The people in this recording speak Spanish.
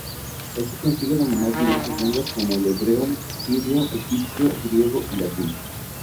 Así consigue dominar diversas lenguas como el hebreo, sirio, egipcio, griego y latín.